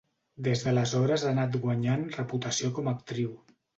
Des d'aleshores ha anat guanyant reputació com a actriu.